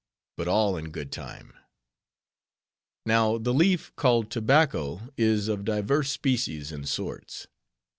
But all in good time. Now, the leaf called tobacco is of divers species and sorts.